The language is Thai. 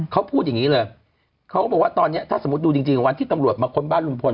เขาพูดอย่างนี้เลยเขาก็บอกว่าตอนนี้ถ้าสมมุติดูจริงวันที่ตำรวจมาค้นบ้านลุงพล